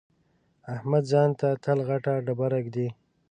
احمد ځان ته تل غټه ډبره اېږدي.